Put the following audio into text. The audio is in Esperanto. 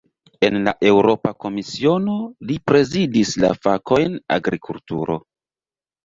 En la Eŭropa Komisiono, li prezidis la fakojn "agrikulturo".